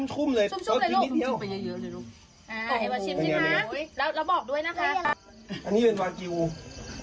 ชุ่มเลยชุ่มเลยลูก